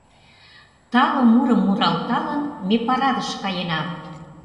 Тале мурым муралталын, ме парадыш каена.